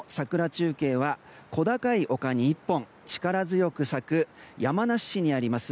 中継は小高い丘に１本力強く咲く、山梨市にあります